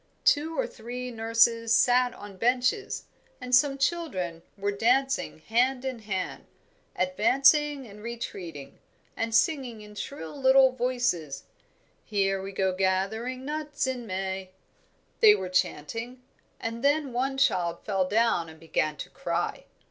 Two or three nurses sat on benches, and some children were dancing hand in hand, advancing and retreating, and singing in shrill little voices. "Here we go gathering nuts in May," they were chanting, and then one child fell down and began to cry.